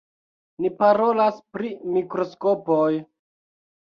Ni parolas pri mikroskopoj.